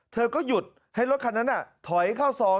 เธอก็หยุดให้รถคันนั้นถอยเข้าซอง